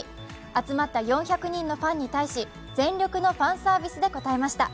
集まった４００人のファンに対し全力のファンサービスで応えました。